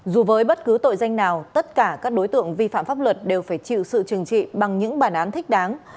dù với bất cứ tội danh nào tất cả các đối tượng vi phạm pháp luật đều phải chịu sự trừng trị bằng những bản án thích đáng